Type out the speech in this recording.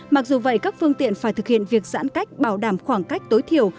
mặc dù vậy các phương tiện phải thực hiện việc giãn cách bảo đảm khoảng cách tối thiểu